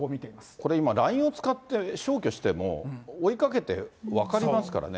これ、今、ＬＩＮＥを使って消去しても、追いかけて分かりますからね。